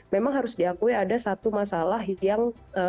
memang harus diakui ada satu masalah yang